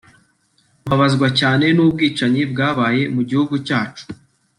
Mbabazwa cyane n’ubwicanyi bwabaye mu gihugu cyacu